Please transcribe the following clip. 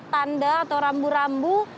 tanda atau rambu rambu